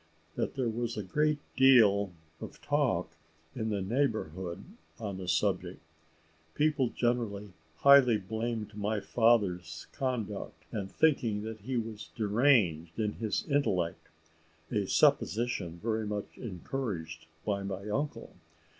That there was a great deal of talk in the neighbourhood on the subject people generally highly blaming my father's conduct and thinking that he was deranged in his intellect, a supposition very much encouraged by my uncle.